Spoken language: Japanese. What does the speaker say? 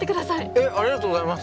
えっありがとうございます。